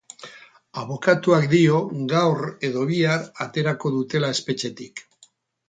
Abokatuak dio gaur edo bihar aterako dutela espetxetik.